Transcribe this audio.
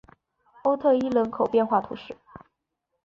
欧特伊人口变化图示